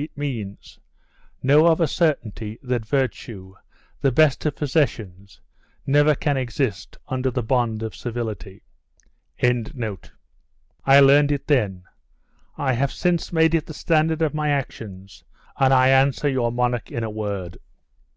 It means, "Know of a certainty that virtue, the best of possessions, never can exist under the bond of servility." "I learned it then; I have since made it the standard of my actions, and I answer your monarch in a word.